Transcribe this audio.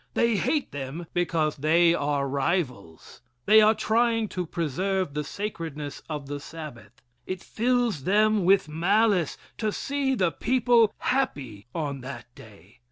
They hate them because they are rivals. They are trying to preserve the sacredness of the Sabbath. It fills them with malice to see the people happy on that day.